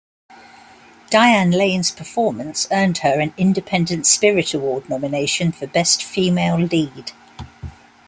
Diane Lane's performance earned her an Independent Spirit Award nomination for Best Female Lead.